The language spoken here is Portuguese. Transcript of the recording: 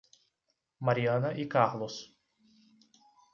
Mariana e Carlos